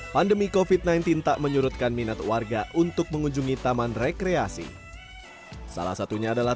pandemi kofit sembilan belas tak menyurutkan minat warga untuk mengunjungi taman rekreasi salah satunya adalah